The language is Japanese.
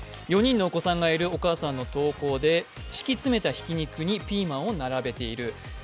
４人のお子さんがいるお母さんの投稿で、敷き詰めたひき肉にピーマンを並べている。